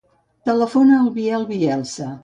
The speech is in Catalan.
Telefona al Biel Bielsa.